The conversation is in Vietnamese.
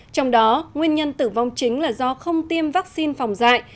trong đó nguyên nhân tử vong chính là do không tiêm vaccine phòng dạy